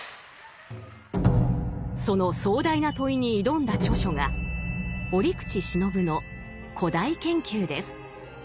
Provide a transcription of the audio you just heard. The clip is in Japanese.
その壮大な問いに挑んだ著書が折口信夫の「古代研究」です。